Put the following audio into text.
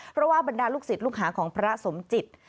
เพราะว่าบรรดาลูกศิษย์ลูกหาของพระสมจิต